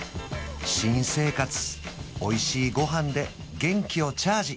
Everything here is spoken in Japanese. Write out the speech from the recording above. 新生活おいしいごはんで元気をチャージ